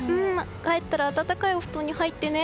帰ったら暖かいお布団に入ってね。